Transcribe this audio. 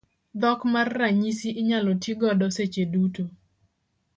Dhok mar ranyisi inyalo ti godo seche duto.